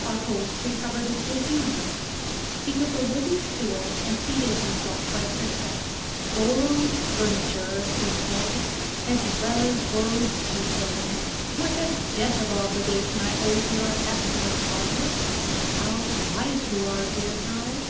Our host recovered his good humor. He took a wooden stool, and seated himself by Cristel. "Borrowed furniture," he said, "as well as borrowed tea things. What a debt of obligation I owe to your excellent father. How quiet you are, dear girl.